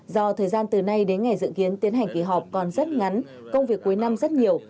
do thời gian từ nay đến ngày dự kiến tiến hành kỳ họp còn rất ngắn công việc cuối năm rất nhiều